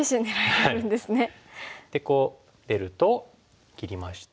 でこう出ると切りまして。